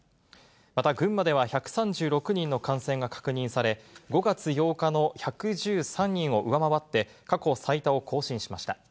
また群馬では１３６人の感染が確認され、５月８日の１１３人を上回って、過去最多を更新しました。